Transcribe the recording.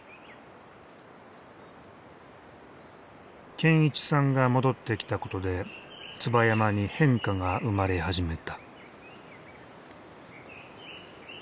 健一さんが戻ってきたことで椿山に変化が生まれ始めた。